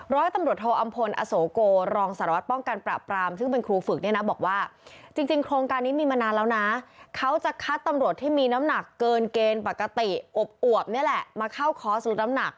ร้อยตำรวจโทอำพลอโสโกรองสารวัติป้องกันประปราม